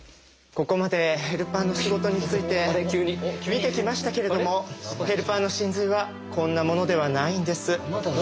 ここまでヘルパーの仕事について見てきましたけれどもヘルパーの神髄はこんなものではないんです。